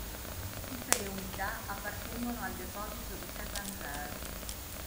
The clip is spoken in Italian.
Tutte le unità appartengono al deposito di Catanzaro.